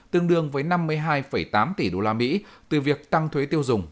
tương đương với năm mươi hai tám tỷ usd từ việc tăng thuế tiêu dùng